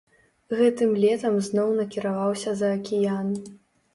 Гэтым летам зноў накіраваўся за акіян.